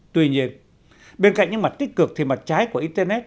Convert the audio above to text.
tuy nhiên bên cạnh những mặt tích cực thì mặt trái của internet